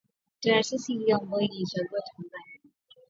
taasisi hiyo ambayo iliichagua Tanzania